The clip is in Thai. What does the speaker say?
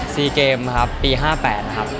ซีเกมครับปี๕๘นะครับ